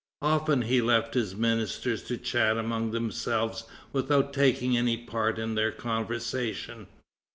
Often he left his ministers to chat among themselves without taking any part in their conversation.